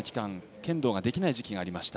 剣道ができない時期がありました。